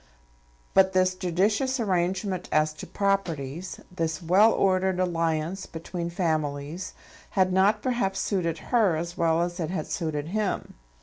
But this judicious arrangement as to properties, this well ordered alliance between families, had not perhaps suited her as well as it had suited him.